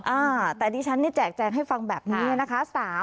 อ่าแต่ดิฉันนี่แจกแจงให้ฟังแบบนี้นะคะ